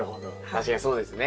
確かにそうですね。